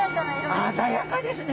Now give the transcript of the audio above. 鮮やかですね。